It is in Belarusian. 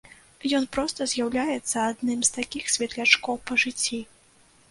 Ён проста з'яўляецца адным з такіх светлячкоў па жыцці.